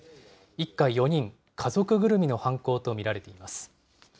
一家４人、家族ぐるみの犯行と見られています。